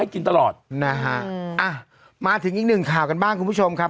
กินตลอดนะฮะอ่ะมาถึงอีกหนึ่งข่าวกันบ้างคุณผู้ชมครับ